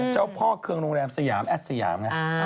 เจ้าพ่อเครื่องโรงแรมสยามแอดสยามไง